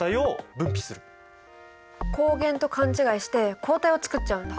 抗原と勘違いして抗体をつくっちゃうんだ。